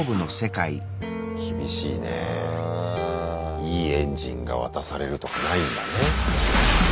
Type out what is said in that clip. いいエンジンが渡されるとかないんだね。